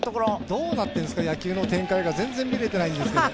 どうなってるんですか野球の展開は見れてないんですけど。